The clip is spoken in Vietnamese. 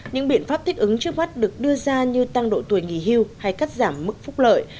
những biện pháp thích ứng trước mắt được đưa ra như tăng độ tuổi nghỉ hưu hay cắt giảm mức phúc lợi